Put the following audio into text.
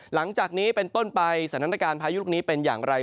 หลังจากนี้เป็นต้นไปสถานการณ์พายุลูกนี้เป็นอย่างไร